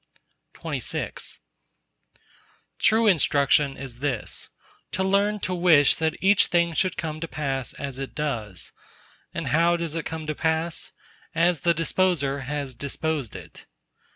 XXVI True instruction is this:—to learn to wish that each thing should come to pass as it does. And how does it come to pass? As the Disposer has disposed it.